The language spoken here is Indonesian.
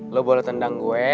lo boleh tendang gue